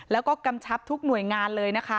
แล้วก็กำชับทุกหน่วยงานเลยนะคะ